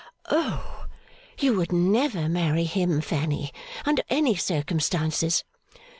'O, you would never marry him, Fanny, under any circumstances.